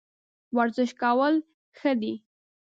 ورزش کول ښه دي